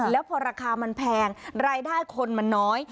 แล้วพอราคามันแพงรายได้คนมันน้อย